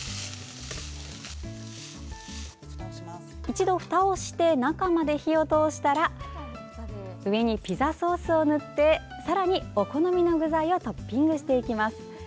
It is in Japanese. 一度ふたをして中まで火を通したら上にピザソースを塗ってさらにお好みの具材をトッピングしていきます。